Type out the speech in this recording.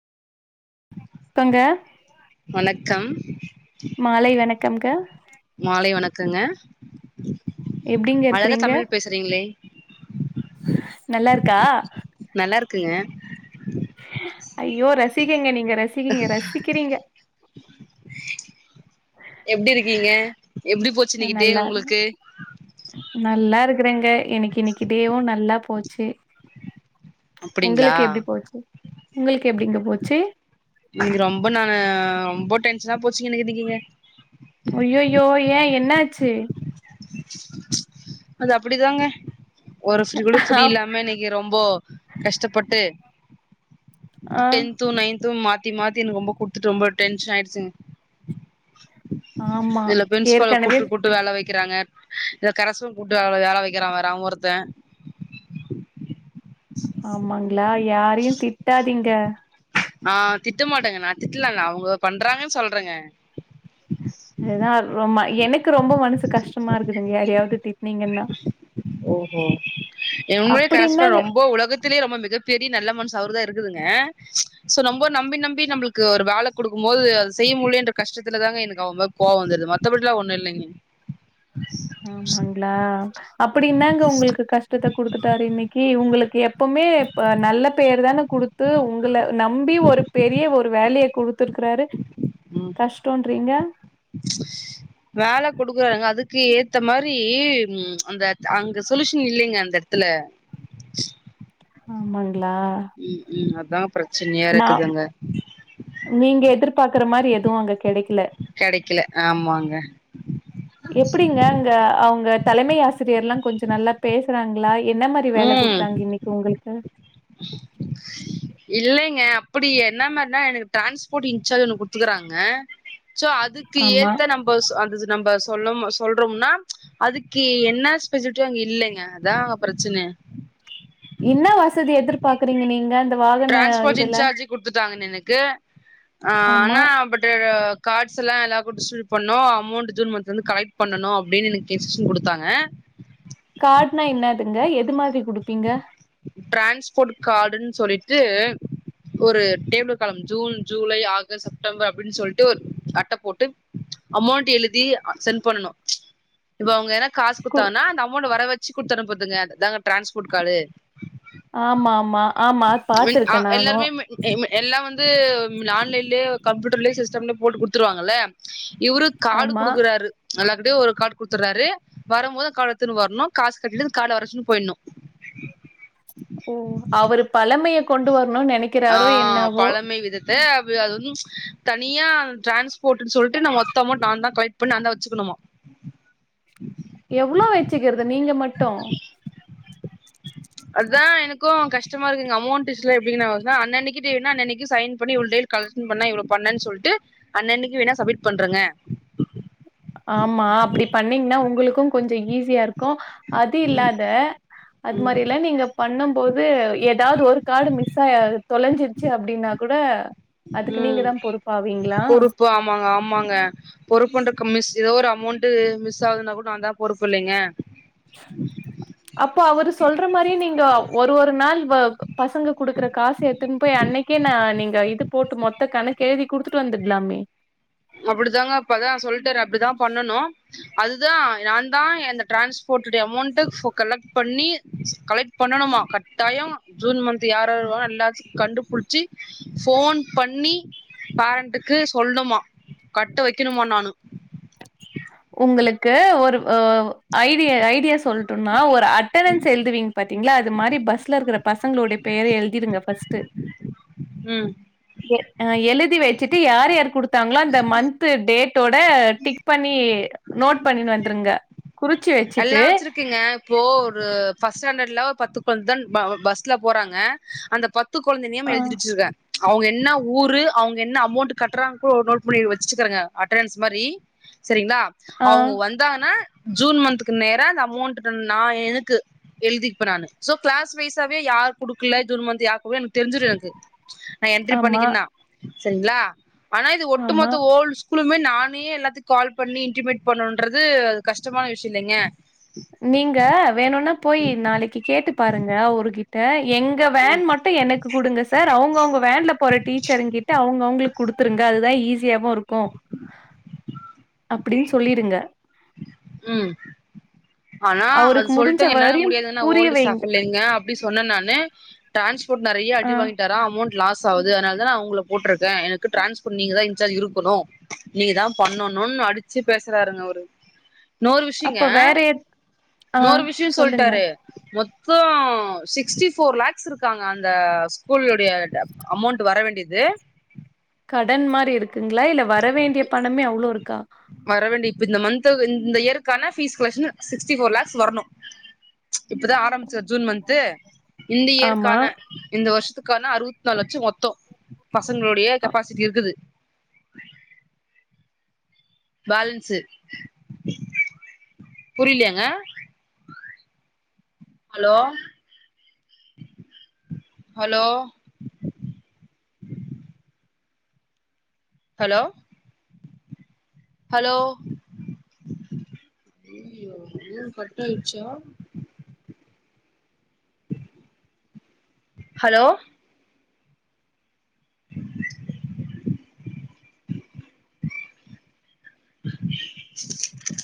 கங்க வணக்கம் மாலை வணக்கம்ங்க மாலை வணக்கங்க எப்டிங்க அழகா இருக்கிறீங்க தமிழ் பேசுறீங்ளே நல்லா இருக்கா நல்லா இருக்குங்க ஐயோ ரசிகைங்க நீங்க ரசிகைங்க ரசிக்கிறீங்க எப்டி இருக்கீங்க எப்டி போச்சு இன்னைக்கு டே நல்லா உங்களுக்கு நல்லா இருக்றேங்க எனக்கு இன்னிக்கி டேவு நல்லா போச்சு அப்டிங்களா உங்களுக்கு எப்டி போச்சு உங்களுக்கு எப்படிங்க போச்சு இன்னைக்கி ரொம்ப நானு ரொம்ப டென்ஷனா போச்சீங்க நேத்திக்கி இங்க அய்யய்யோ ஏ என்னாச்சு அது அப்படிதாங்க ஒரு ஃப்ரீ கூட ஃப்ரீ ஆ இல்லாம இன்னைக்கி நீ ரொம்போ கஷ்டப்பட்டு டென்த் து நைன்தும் மாத்தி மாத்தி எனக்கு ரொம்ப குடுத்துட்டு ரொம்ப டென்ஷன் ஆயிடுச்சுங்க ஆமா இதுல பிரின்ச்பால ஏற்கனவே கூட்டு கூட் ட்டு வேல வைக்கிறாங்க எங்க கரசு கூட்டு வே வேல வைக்கிற வேற அவ ஒருத்தே ஆமாங்ளா யாரையு திட்டாதீங்க ஆ திட்ட மாட்டேங்க நா திட்டலங்க அவுங்க பண்றாங்கானு சொல்றேங்க அதுதா ரொம் எனக்கு ரொம்ப மனசு கஷ்டமா இருக்குதுங்க யாரையாவது திட்னீங்கன்னா ஓஹோ என்னுடைய கரச்பா அப்டின்னா ரொம்ப உலகத் திலே ரொம்ப மிகப்பெரிய நல்ல மன்சு அவர் தா இருக்குதுங்க சோ ரொம்ப நம்பி நம்பி நம்ளுக்கு ஒரு வேலக் குடுக்கும் போது அது செய்ய முடியலயேன்ற கஷத்துலதாங்க எனக்கு அவங்க மேல கோவோ வந்துருது மத்தபடி எல்லா ஒண்ணு இல்லைங்க ஆமாங்ளா அப்டி என்னாங்க உங்களுக்கு கஷ் டத்த குடுத்துட்டாரு இன்னைக்கி உங்களுக்கு எப்வுமே நல்ல பெயர் தானே குடுத்து உங்கள நம்பி ஒரு பெரிய ஒரு வேலைய குடுத்திருக்கறாரு ம் கஷ்டோன்றீங்க வேல குடுக்குறாங்க அதுக்கு ஏத்த மாரி ம் அந்த அங்க சொலுயூஷன் இல்லைங்க அந்த த்துல ஆமாங்ளா ம் ம் அதா பிரச்சனையா இருக்குது அங்க நீங்க எதிர்பார்க்கற மாரி எதுவு அங்க கெடைக்ல கெடைக்கல ஆமாங்க எப்டிங்க அங்க அவுங்க தலைமை ஆசிரியர்ல்லா கொஞ்சோ நல்லா பேசுறாங்ளா என்ன மாரி எப்டி வேல ம் குடுத்தாங்க இன்னைக்கி உங்களுக்கு இல்லங்க அப்படி என்ன மார்னா எனக்கு டிரான்ஸ்போர்ட் இன்சார்ஜ் ஒண்ணு குடுத்துக்குறாங்க சோ அதுக்கு ஆமா ஏத்த நம்ப சொ அது நம்ம சொல்ல சொல்றோம்னா அதுக்கு என்ன ஸ்பேச்சுட்டு அங்க இல்லங்க அதா ப்ரச்சன என்ன வசதி எதிர்பாக்குறீங்க நீங்க வாகன ட்ரன்ஸ்போட் இதுல இன்சார்ஜ் குடுத்துட்டாங்க எனக்கு ஆ ஆமா ஆனா பட்டு காட்ஸ் எல்லா எல்லாக்கு ஸ்ட்ரிபூ பண்ணு அமௌண்ட் ஜூன் மந்த்லந்து கலெக் பண்ணனு அப்டினு எனக்கு இன்ஸ்டரக்ஷன் குடுத்தாங்க காட்னா என்னதுங்க எது மாரி குடுப்பீங்க ட்ரானன்ஸ்போர்ட் கார்டுன்னு சொல்லிட்டு ஒரு table column June July August September அப்டின்னு சொல்ட்டு ஒரு அட்ட போட்டு அமோண்ட் எழுதி சென்ட் பண்ணனு இப்ப அவங்க எனா காசு கு குட்த்தாங்கன்னா அந்த அமௌண்ட் வர வச்சு குடுத்துனுப்புதுங்க அதாங்க டிரன்ஸ்போர்ட் கார்டு ஆமா ஆமா ஆமா பாத்துருக்க நானு எம் எல்லா வந்து ஆன்லைன்லே கம்யூட்டர்லே சிஸ்டம்லே போட்டு குடுத்துருவாங்கல்ல இவுரு கார்டு ஆமா. குடுக்குறாரு எல்லார் கிட்டியு ஒரு கார்டு குடுத்துறாரு வர போது அந்த கார்ட எத்துன்னு வரணு காசு கட்டிட்டு அந்த கார்ட வர வச்சிட்டு போயிட்ணு ஓ அவரு பழமையை கொண்டு வரணுன் நினைக் ஆ பழமை விதத் த அது வந்து தனியா டிரன்ஸ்போர்ட்ன்னு சொல்ட்டு நா மொத்தமா நாந்தா கலெக்ட் பண்ணி நாந் தா வச்சிக்கணுமா எவ்வளோ வச்சுக்கிறது நீங்க மட்டு அதா எனக்கு கஷ்டமா இருக்குங்க அமௌண்ட் விஷல எப்டிங்க நா [unintelligible] அன்னன்னைக்கு ட்யூனா அன்னன்னைக்கு சைன் பண்ணி இவ்ளோ டேல கலெக்சன் பண்ணா இ்வ்ளோ பண்ணன் சொல்ட்டு அண்ணன்னைக்கு வேணா சம்மிட் பண்ருங்க ஆமா அப்பனடி பண்ணீங்னா உங்களுக்கு கொஞ்சோ ஈஸியா இருக் க்கு அது இல்லாத அது ம் மாரில்லா நீங்க பண்ணம்போது ஏதாவது ஒரு கார்டு மிஸ்ஸா தொலஞ்சிருச்சு அப்டினா கூட அதுக்கு நீங்கதா பொறுப்பாவீங்ளா ஓ ஆமாங்க ஆமாங்க பொறுப்புன்றுகு மிஸ் ஏதோ ஒரு அமௌண்டு மிஸ் ஆகுதுனா கூட நாந்தா பொறுப்பில்லைங்க அப்போ அவரு சொல்ற மாரியே நீங்க ஒரு ஒரு நாள் வ பசங்க குடுக்குற காச எத்துனு போய் அன்னைக்கே நா நீங்க இது போட்டு மொத்த கணக்கு எழுதி குடுத்துட்டு வந்துட்லாமே அப்டிதாங்க அப்பதா சொல்ட்டாரு அப்டிதா பண்ணனு அதுதா நாந்தா எந்த டிரான்ஸ்போட்டோட அமௌண்ட ஃபோ கலெக்ட் பண்ணி கலெக்ட் பண்ணணுமா கட்டாயோ ஜூன் மன்த்து யாரார் வருவா எல்லா கண்டுபுடிச்சி ஃபோன் பண்ணி பேரண்ட்டுக்கு சொல்னுமா கட்ட வைக்கணுமா நானு உங்களுக்கு ஒரு அ ஐடியா ஐடியா சொல் டுமா ஒரு அட்டன்னன்ஸ் எழுதுவிங்க பாத்தீங்ளா அது மாரி பஸ்ல இருக்குற பசங்களோட பேரு எழுதிடுங்க ஃபர்ஸ்டு ம் எ அ எழுதி வச்சிட்டு யாரு யாரு குடுத்தாங்களோ அந்த மன்த்து டேட் டோட டிக் பண்ணி நோட் பண்ணினு வந்துருங்க குறிச்சி எல்லா வச்சிட்டு வச்சிருக்குங்க இப்போ ஒரு ஃபஸ்ட் ஸ்டண்டட்ல பத்து பேர்தா பஸ்ல போறாங்க அந்த பத் து கொழந்த நேம் ஆ, எழுதி வச்சிருக்க அவுங்க என்ன ஊரு அவுங்க என்ன அமௌண்ட் கட்றாங்க கூட நோட் பண்ணி வச்சிருக்கங்க அட்டணன்ஸ் மாரி சரிங்ளா ஆ, அவங்க வந்தாங்னா ஜூன் மன்த் நேரோ அந்த அமௌண்ட் நா எனக்கு எழுதிருப்ப நானு சோ கிளாஸ் வைஸாவே யாரு குடுக்கல ஜூன் மன்த்து யாருக்கு வேணு எனக்கு தெரிஞ்சிடு எனக்கு நா என்ட்ரி ஆமா, பண்ணிக்குந்தா செரிங்களா ஆனா இது ஆமா. ஒட்டுமொத்த ஓல்டு ஸ் கூலுமே நானே எல்லாத்துக்கு கால் பண்ணி இன்டிமேட் பண்ணுன்றது அது கஷ்டமான விஷ்யோ இல்லைங்க நீங்க வேணுனா போயி நாளைக்கு கேட்டு பாருங்க அவருகிட்ட எங் க வேன் மட்டு எனக் க்கு குடுங்க சார் அவுங்க அவுங்க வேன்ல போற டீச்சர்ங்கிட்ட அவுங்க அவுங்களுக்கு குடுத்துருங்க அதுதா ஈஸி ஸியாவு இருக்கு அப்டினு சொல்லிடுங்க உம் ஆனா அது அவருக்கு முடிஞ்ச சொல்ட என்னால வரையும் முடியாது நா புரிய ஓல்டு வைங்க. ஸ்டாஃபு இல்லிங்க அப்டினு சொன்ன நானு டிரான்ஸ்போர்ட் நெறையா ஆ அடி வாங்கிட்டாரா அமௌண்ட் லாஸ் ஆவுது அதனாலதா நா உங்கள போட்டுருக்க எனக்கு டிரான்ஸ்போர்ட் நீங்கதா இன்சார்ஜ் இருக்கணு நீ தா பண்ணணுன்னு அடிச்சி பேசுறாருங்க அவரு இன்னொரு அப்ப விஷயோங்க வேற எத் ஆ இன்னோரு விஷயம் சொல்லுங்க. சொல்ட்டாரு மொத்தோ சிக்ஸ்டி போர் லக்ஸ் இருக்காங்க அந்த ஸ்கூலுடைய ட அமௌண்ட் வர வேண்டியது கடன் மாரி இருக்குங்களா இல்ல வர வேண்டிய பணமே அவ்ளோ இருக்கா வரவேண்டிய இப்ப இந்த மன்த் இந்த இயருக்கான fees collection sixty four lakhs வரணு இப்பதா ஆரம்பிச்சோ ஜூன் மன்த்து இந்த ஆமா. இயற்கான இந்த வருஷத்துக்கான அறுபத்தி நாலு லட்சோ மொத்தோ பசங்களுடைய கெப்பாசிட்டி இருக்குது பேலன்ஸு புரியலயாங்க ஹலோ ஹலோ ஹலோ ஹலோ அய்யயோ ஃபோன் கட்டாயிருச்சா ஹலோ [inaudible] [inaudible]